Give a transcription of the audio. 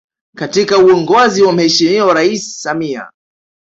Katika uongozi wa Mheshimiwa Rais Samia